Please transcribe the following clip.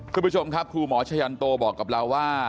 คุณผู้ชมครับครูหมอชะยันโตบอกกับเราว่า